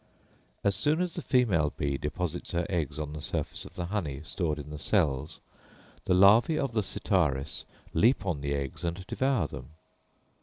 As soon as the female bee deposits her eggs on the surface of the honey stored in the cells, the larvæ of the Sitaris leap on the eggs and devour them.